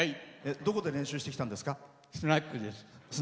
どこで練習してきたんですか？